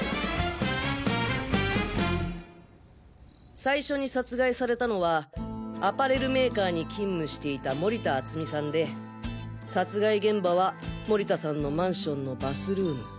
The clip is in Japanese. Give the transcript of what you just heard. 最初に殺害されたのはアパレルメーカーに勤務していた盛田敦実さんで殺害現場は盛田さんのマンションのバスルーム。